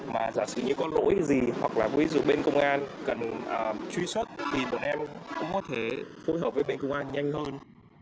mà giả sử như có lỗi gì hoặc là ví dụ bên công an cần truy xuất thì bọn em cũng có thể phối hợp với bên công an nhanh hơn